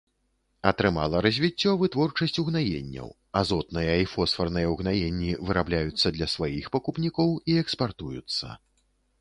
Атрымала развіццё вытворчасць угнаенняў, азотныя і фосфарныя ўгнаенні вырабляюцца для сваіх пакупнікоў і экспартуюцца.